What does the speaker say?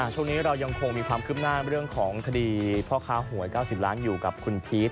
ช่วงนี้เรายังคงมีความคืบหน้าเรื่องของคดีพ่อค้าหวย๙๐ล้านอยู่กับคุณพีช